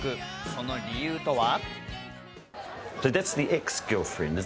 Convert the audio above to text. その理由とは？